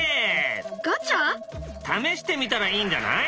試してみたらいいんじゃない？